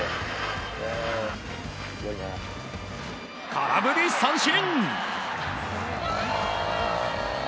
空振り三振！